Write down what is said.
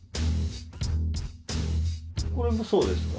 これもそうですか？